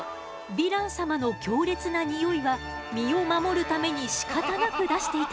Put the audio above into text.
ヴィラン様の強烈なニオイは身を守るためにしかたなく出していたの。